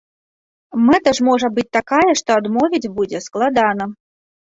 Мэта ж можа быць такая, што адмовіць будзе складана!